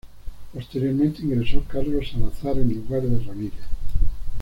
Posteriormente ingresó Carlos Zalazar en lugar de Ramírez.